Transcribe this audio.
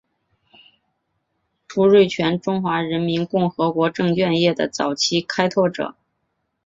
胡瑞荃中华人民共和国证券业的早期开拓者。